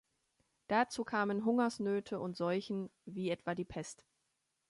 Dazu kamen Hungersnöte und Seuchen, wie etwa die Pest.